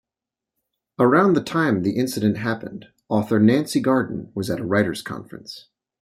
Around the time the incident happened, author Nancy Garden was at a writers' conference.